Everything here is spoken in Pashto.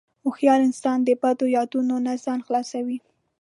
هوښیار انسان د بدو یادونو نه ځان خلاصوي.